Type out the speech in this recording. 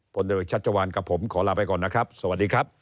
พตชกับผมขอลาไปก่อนนะครับสวัสดีครับ